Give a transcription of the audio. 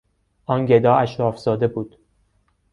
آن گدا اشرافزاده بود.